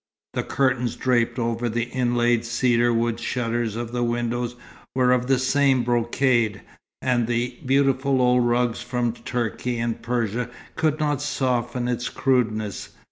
The curtains draped over the inlaid cedar wood shutters of the windows were of the same brocade, and the beautiful old rugs from Turkey and Persia could not soften its crudeness.